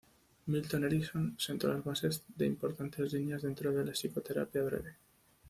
Milton Erickson sentó las bases de importantes líneas dentro de la psicoterapia breve.